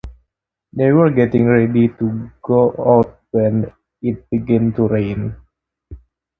They were getting ready to go out when it began to rain.